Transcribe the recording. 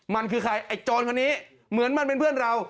มันคือใครไอ้โจรคนนี้เหมือนมันเป็นเพื่อนเรา